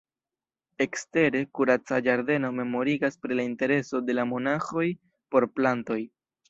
Ekstere, kuraca ĝardeno memorigas pri la intereso de la monaĥoj por plantoj.